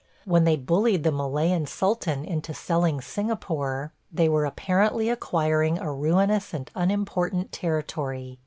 When they bullied the Malayan sultan into selling Singapore, they were apparently acquiring a ruinous and unimportant territory.